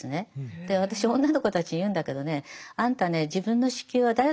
で私女の子たちに言うんだけどねあんたね自分の子宮は誰のもんだと思ってる？